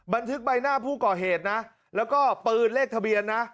บันทึกใบหน้าผู้ก่อเหตุนะแล้วก็ปืนเลขทะเบียนนะ